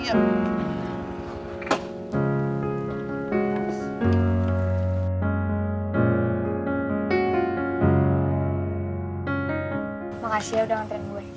terima kasih udah nganterin gue